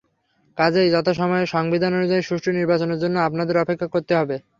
কাজেই যথাসময়ে সংবিধান অনুযায়ী সুষ্ঠু নির্বাচনের জন্য আপনাদের অপেক্ষা করতে হবে।